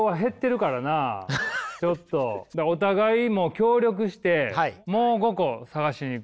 お互い協力してもう５個探しに行く。